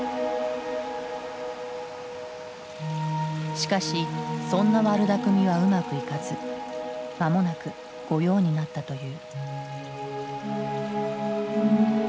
しかしそんな悪だくみはうまくいかず間もなく御用になったという。